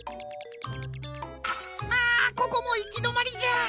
あここもいきどまりじゃ。